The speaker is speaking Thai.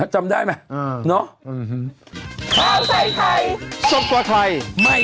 จำได้ไหมเนาะ